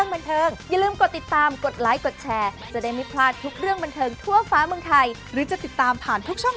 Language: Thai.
บันเทิงไทยรัฐขอให้หนึ่งเสียงเอาหน่อยพี่เอาหน่อย